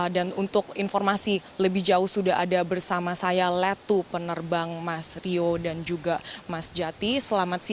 dan untuk informasi lebih jauh sudah ada bersama saya letu penerbang mas rio dan juga mas jati